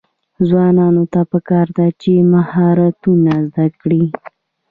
ځوانانو ته پکار ده چې، مهارتونه زده کړي.